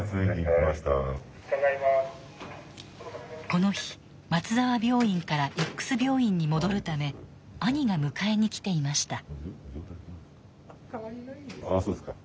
この日松沢病院からＸ病院に戻るため兄が迎えにきていました。